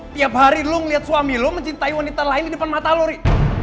tiap hari lu ngeliat suami lu mencintai wanita lain di depan mata lu ri